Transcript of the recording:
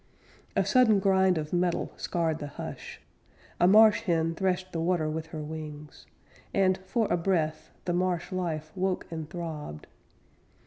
A sudden grind of metal scarred the hush; A marsh hen threshed the water with her wings, And, for a breath, the marsh life woke and throbbed.